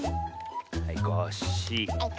はいコッシー。